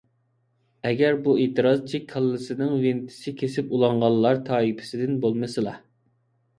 ئەگەر بۇ ئېتىرازچى كاللىسىنىڭ ۋېنتىسى كېسىپ ئۇلانغانلار تائىپىسىدىن بولمىسىلا ...